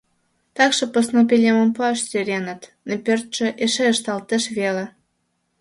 Такше посна пӧлемым пуаш сӧреныт, но пӧртшӧ эше ышталтеш веле.